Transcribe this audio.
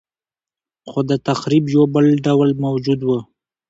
خو د تخریب یو بل ډول موجود و